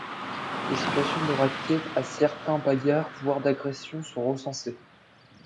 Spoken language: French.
Des situations de rackets à certains barrages voire d'agressions sont recensées.